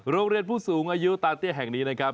โรงเรียนผู้สูงอายุตาเตี้ยแห่งนี้นะครับ